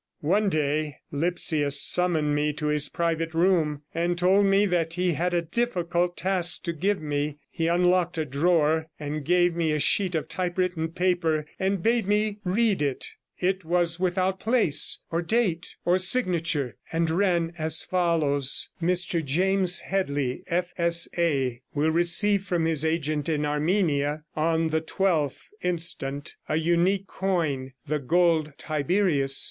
One day Lipsius summoned me to his private room, and told me that he had a difficult task to give me. He unlocked a drawer and gave me a sheet of type written paper, and bade me read it. It was without place, or date, or signature, and ran as follows: Mr James Headley, F.S.A., will receive from his agent in Armenia, on the 12th inst., a unique coin, the gold Tiberius.